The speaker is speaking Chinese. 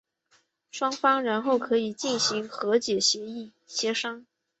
双方然后可以进行和解协商。